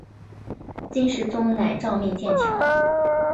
金世宗乃诏命建桥。